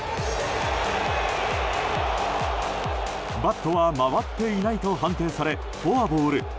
バットは回っていないと判定されフォアボール。